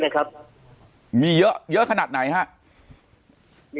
น่ารักคนคือมีเยอะเยอะขนาดไหนครับ